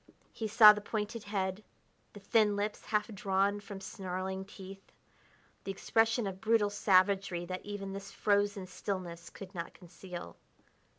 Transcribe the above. He saw the pointed head, the thin lips half drawn from snarling teeth, the expression of brutal savagery that even this frozen stillness could not conceal.